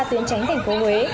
tiến tránh tỉnh phố huế